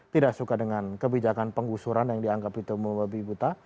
tidak suka dengan kebijakan penggusuran yang dianggap itu mubabibuta